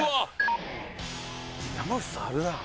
山内さんあるな。